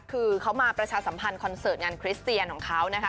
คือเขามาประชาสัมพันธ์คอนเสิร์ตงานคริสเตียนของเขานะคะ